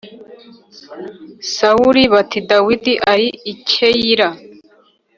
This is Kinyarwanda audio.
Sawuli bati Dawidi ari i Keyila